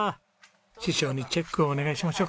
師匠にチェックをお願いしましょうか。